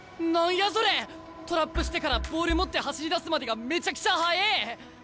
トラップしてからボール持って走りだすまでがめちゃくちゃはええ！